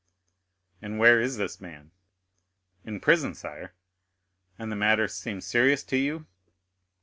"And where is this man?" "In prison, sire." "And the matter seems serious to you?"